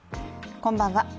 こんばんは。